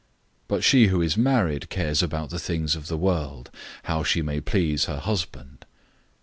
But she who is married cares about the things of the world how she may please her husband.